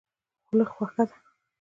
خوله خوښه ده.